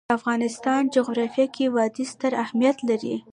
د افغانستان جغرافیه کې وادي ستر اهمیت لري.